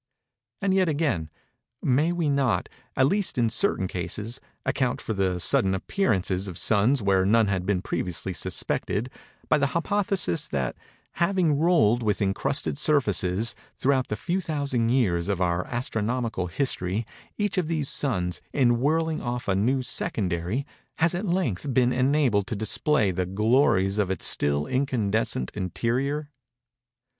And yet again:—may we not—at least in certain cases—account for the sudden appearances of suns where none had been previously suspected, by the hypothesis that, having rolled with encrusted surfaces throughout the few thousand years of our astronomical history, each of these suns, in whirling off a new secondary, has at length been enabled to display the glories of its still incandescent interior?